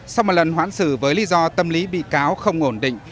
sau một lần hoãn xử với lý do tâm lý bị cáo không ổn định